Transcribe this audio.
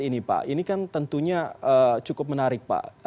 ini kan tentunya cukup menarik pak